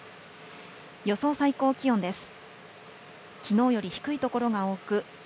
予想最高気温です。